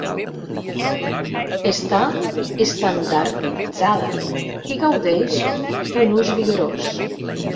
Està estandarditzada i gaudeix d'un ús vigorós.